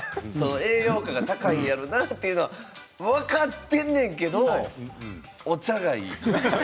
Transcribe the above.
栄養価が高いんやろうなというのは分かってんねんけどお茶がいい。